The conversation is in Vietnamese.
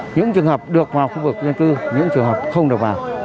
những trường hợp được vào khu vực dân cư những trường hợp không được vào